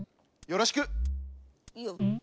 よろしく。